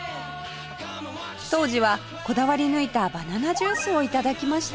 当時はこだわり抜いたバナナジュースを頂きました